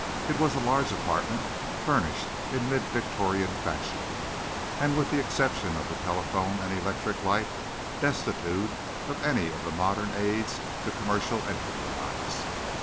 It was a large apartment, furnished in mid Victorian fashion, and, with the exception of the telephone and electric light, destitute of any of the modern aids to commercial enterprise.